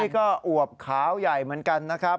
นี่ก็อวบขาวใหญ่เหมือนกันนะครับ